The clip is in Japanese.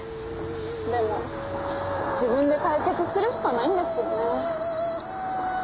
でも自分で解決するしかないんですよね。